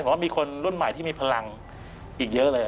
ผมว่ามีคนรุ่นใหม่ที่มีพลังอีกเยอะเลย